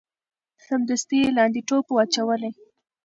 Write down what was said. سمدستي یې لاندي ټوپ وو اچولی